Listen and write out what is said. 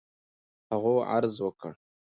هغو عرض وكړ: